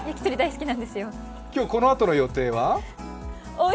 今日このあとの予定は？